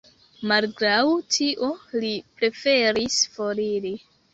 Malgraŭ tio, li preferis foriri.